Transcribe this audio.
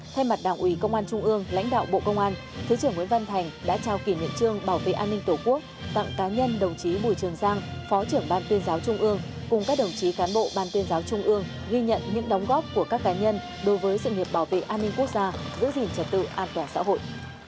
thay mặt đảng ủy công an trung ương lãnh đạo bộ công an thứ trưởng nguyễn văn thành đã trao kỷ niệm trương bảo vệ an ninh tổ quốc tặng cá nhân đồng chí bùi trường giang phó trưởng ban tuyên giáo trung ương cùng các đồng chí cán bộ ban tuyên giáo trung ương ghi nhận những đóng góp của các cá nhân đối với sự nghiệp bảo vệ an ninh quốc gia giữ gìn trật tự an toàn xã hội